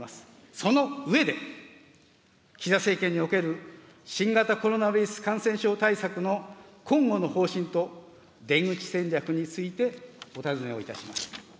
その上で、岸田政権における新型コロナウイルス感染症対策の今後の方針と、出口戦略についてお尋ねをいたします。